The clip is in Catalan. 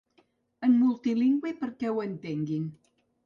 En multilingüe perquè ho entenguin.